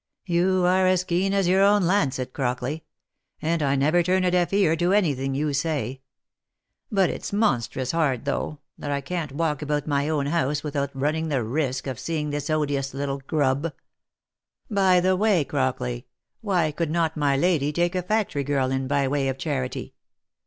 " You are as keen as your own lancet, Crockley ; and I never turn a deaf ear to any thing you say. But it's monstrous hard though, that I can't walk about my own house without running the risk of seeing this odious little grub. By the way, Crockley, why could not my lady take a factory girl in by way of charity?